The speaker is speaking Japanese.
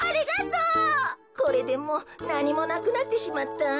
これでもうなにもなくなってしまった。